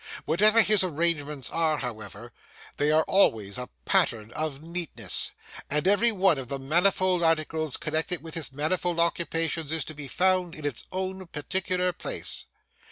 Whatever his arrangements are, however, they are always a pattern of neatness; and every one of the manifold articles connected with his manifold occupations is to be found in its own particular place.